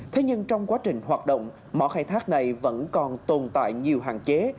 thế nhưng trong quá trình hoạt động mỏ khai thác này vẫn còn tồn tại nhiều hạn chế